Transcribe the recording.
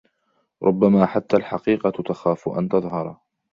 ربما حتى الحقيقة تخاف أن تظهر.